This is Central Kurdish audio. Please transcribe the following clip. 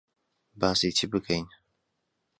باسی چی بکەین؟